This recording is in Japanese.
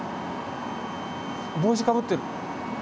帽子かぶってる。